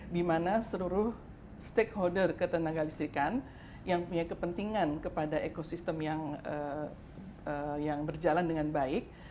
dimana seluruh stakeholder ketenagalistrikan yang punya kepentingan kepada ekosistem yang berjalan dengan baik